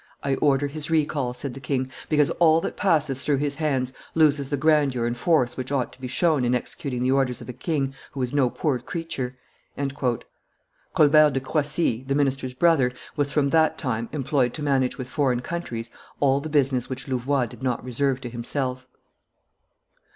"I order his recall," said the king, "because all that passes through his hands loses the grandeur and force which ought to be shown in executing the orders of a king who is no poor creature." Colbert de Croissy, the minister's brother, was from that time employed to manage with foreign countries all the business which Louvois did not reserve to himself.